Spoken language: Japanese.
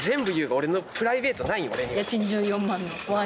俺のプライベートないん？